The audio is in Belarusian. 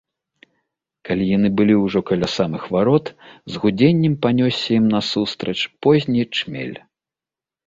Калі яны былі ўжо каля самых варот, з гудзеннем панёсся ім насустрач позні чмель.